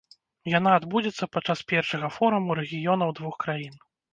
Яна адбудзецца падчас першага форуму рэгіёнаў двух краін.